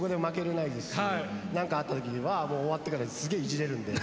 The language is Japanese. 何かあった時には終わってからすげぇいじれるんで。